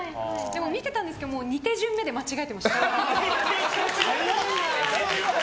見てたんですけど２手順目で間違えていました。